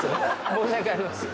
申し訳ありません